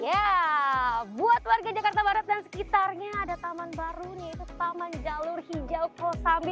ya buat warga jakarta barat dan sekitarnya ada taman baru yaitu taman jalur hijau kosambi